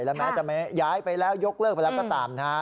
แล้วแม้จะย้ายไปแล้วยกเลิกไปแล้วก็ตามนะฮะ